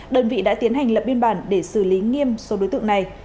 đơn vị đã tiến hành lập biên bản để xử lý nghiêm số đối tượng này